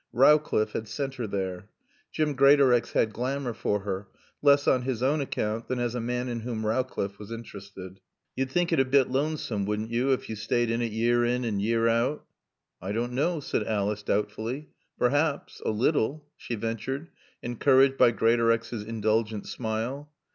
Rowcliffe had sent her there. Jim Greatorex had glamour for her, less on his own account than as a man in whom Rowcliffe was interested. "You'd think it a bit loansoom, wouldn' yo', ef yo' staayed in it yeear in and yeear out?" "I don't know," said Alice doubtfully. "Perhaps a little," she ventured, encouraged by Greatorex's indulgent smile.